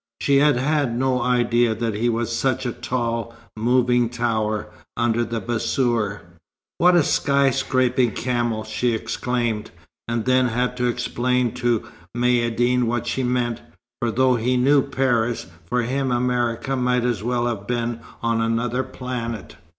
She had had no idea that he was such a tall, moving tower, under the bassour. "What a sky scraping camel!" she exclaimed. And then had to explain to Maïeddine what she meant; for though he knew Paris, for him America might as well have been on another planet.